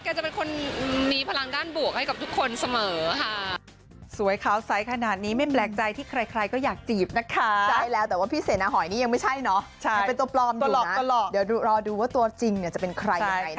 จะเป็นคนมีพลังด้านบวกให้กับทุกคนเสมอค่ะ